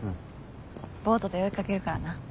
ボートで追いかけるからな。